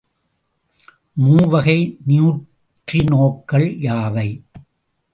மூவகை நியூட்ரினோக்கள் யாவை?